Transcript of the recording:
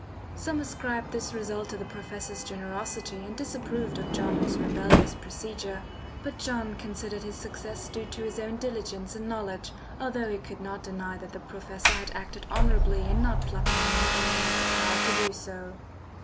Some ascribed this result to the professor's generosity and disapproved of John's rebellious procedure; but John considered his success due to his own diligence and knowledge, although he could not deny that the professor had acted honourably in not plucking him when he had the power to do so.